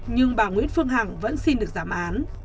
nhưng bà nguyễn phương hằng vẫn xin được giảm án